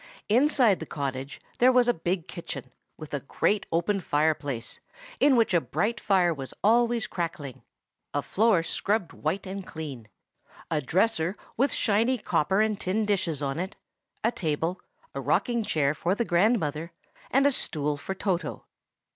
Inside the cottage there was a big kitchen, with a great open fireplace, in which a bright fire was always crackling; a floor scrubbed white and clean; a dresser with shining copper and tin dishes on it; a table, a rocking chair for the grandmother, and a stool for Toto.